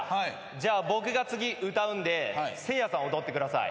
じゃあ僕が次歌うんでせいやさん踊ってください。